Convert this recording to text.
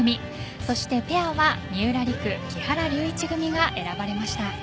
そしてペアは三浦璃来、木原龍一組が選ばれました。